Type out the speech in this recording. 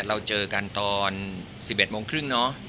เราเจอกันตอน๑๑โมงครึ่งเนาะ